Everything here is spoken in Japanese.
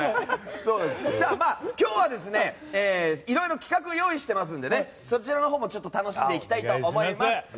今日は、いろいろ企画を用意してますのでそちらのほうも楽しんでいきたいと思います。